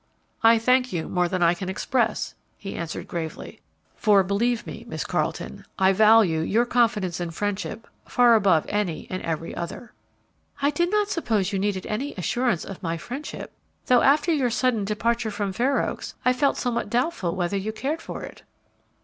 "I thank you more than I can express," he answered, gravely; "for, believe me, Miss Carleton, I value your confidence and friendship far above any and every other." "I did not suppose you needed any assurance of my friendship; though, after your sudden departure from Fair Oaks, I felt somewhat doubtful whether you cared for it."